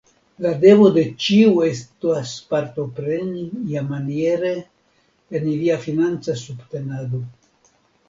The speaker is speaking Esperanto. La devo de ĉiu estas partopreni, iamaniere, en ilia financa subtenado.